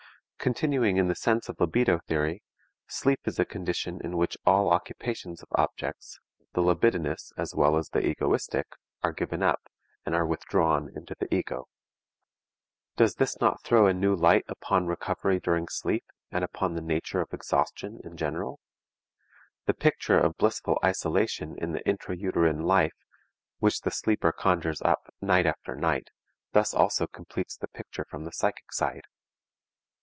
Continuing in the sense of libido theory: sleep is a condition in which all occupations of objects, the libidinous as well as the egoistic, are given up, and are withdrawn into the ego. Does this not throw a new light upon recovery during sleep, and upon the nature of exhaustion in general? The picture of blissful isolation in the intra uterine life, which the sleeper conjures up night after night, thus also completes the picture from the psychic side.